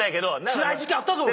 つらい時期あったぞ俺。